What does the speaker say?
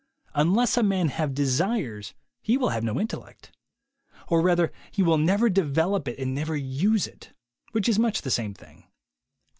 Unless a man have desires, he will have no intellect. Or rather, he will never develop it and never use it, which is much the same thing.